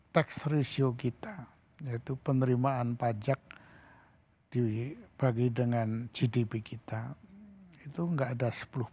tax ratio kita yaitu penerimaan pajak dibagi dengan gdp kita itu nggak ada sepuluh